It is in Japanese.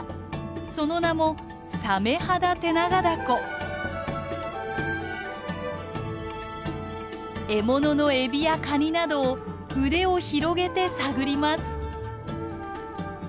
その名も獲物のエビやカニなどを腕を広げて探ります。